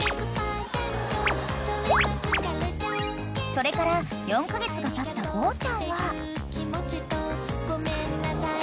［それから４カ月がたったゴーちゃんは］